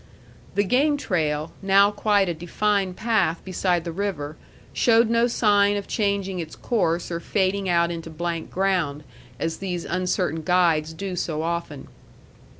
The game trail, now quite a defined path beside the river, showed no sign of changing its course or fading out into blank ground, as these uncertain guides do so often.